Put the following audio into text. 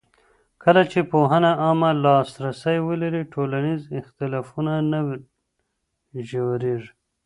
کله چې پوهنه عامه لاسرسی ولري، ټولنیز اختلافونه نه ژورېږي.